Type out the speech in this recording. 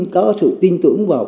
có sự tin tưởng vào